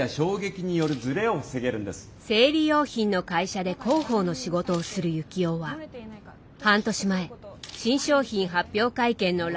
生理用品の会社で広報の仕事をする幸男は半年前新商品発表会見のライブ配信中。